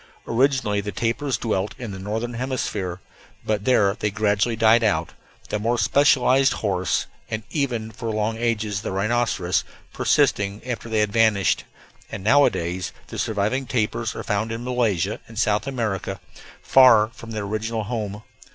Originally the tapirs dwelt in the northern hemisphere, but there they gradually died out, the more specialized horse, and even for long ages the rhinoceros, persisting after they had vanished; and nowadays the surviving tapirs are found in Malaysia and South America, far from their original home.